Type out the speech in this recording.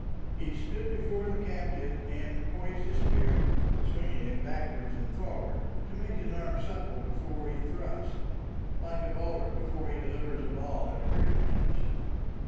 He stood before the captive and poised his spear, swinging it backward and forward, to make his arm supple before he thrust, like a bowler before he delivers a ball at a cricket match.